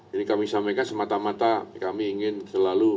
ini kami sampaikan semata mata kami ingin selalu